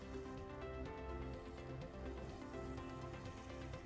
kita gulungin aja